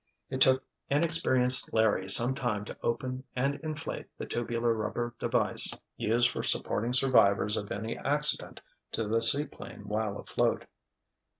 It took inexperienced Larry some time to open and inflate the tubular rubber device used for supporting survivors of any accident to the seaplane while afloat.